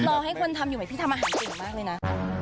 รอให้คนทำอยู่ไหมพี่ทำอาหารเก่งมากเลยนะ